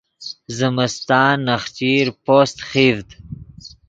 زمستان نخچیر پوست خیڤد